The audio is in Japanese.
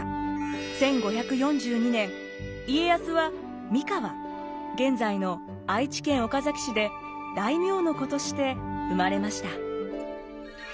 １５４２年家康は三河現在の愛知県岡崎市で大名の子として生まれました。